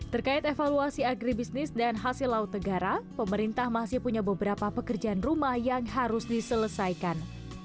terkait evaluasi agribisnis dan hasil laut negara pemerintah masih punya beberapa pekerjaan rumah yang harus diselesaikan